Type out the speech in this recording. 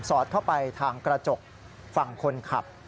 อดเข้าไปทางกระจกฝั่งคนขับ